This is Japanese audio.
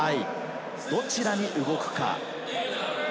どちらに動くか。